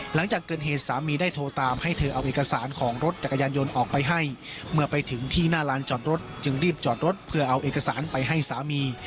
หลังจากเกิดเหตุสามีได้โทรตามให้เธอเอาเอกสารของรถจักรยานยนต์ออกไปให้เมื่อไปถึงที่หน้าลานจอดรถจึงรีบจอดรถเพื่อเอาเอกสารไปให้สามี